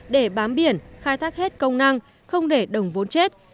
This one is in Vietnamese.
để bám biển khai thác hết công năng không để đồng vốn chết